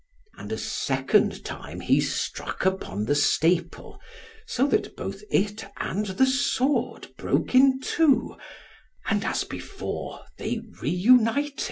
And a second time he struck upon the staple, so that both it and the sword broke in two, and as before they reunited.